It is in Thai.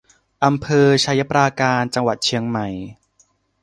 อำเภอไชยปราการ จังหวัดเชียงใหม่